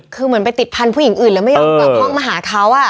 คือเหมือนไปติดพันธุ์หญิงอื่นแล้วไม่ยอมกลับห้องมาหาเขา